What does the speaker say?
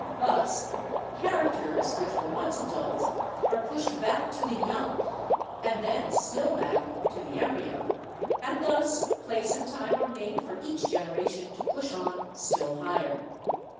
Thus, characters which were once adult are pushed back to the young, and then still back to the embryo, and thus place and time are made for each generation to push on still higher.